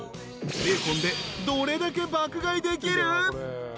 ［ベーコンでどれだけ爆買いできる？］